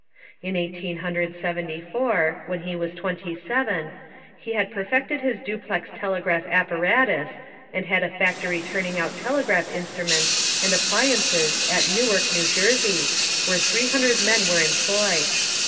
In Eighteen Hundred Seventy four, when he was twenty seven, he had perfected his duplex telegraph apparatus and had a factory turning out telegraph instruments and appliances at Newark, New Jersey, where three hundred men were employed.